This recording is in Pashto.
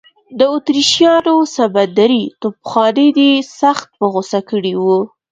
د اتریشیانو سمندري توپخانې دی سخت په غوسه کړی و.